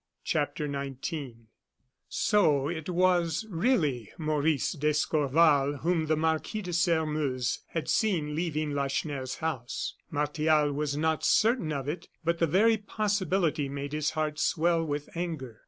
CHAPTER XIX So it was really Maurice d'Escorval whom the Marquis de Sairmeuse had seen leaving Lacheneur's house. Martial was not certain of it, but the very possibility made his heart swell with anger.